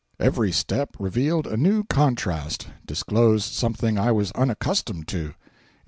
Every step revealed a new contrast—disclosed something I was unaccustomed to.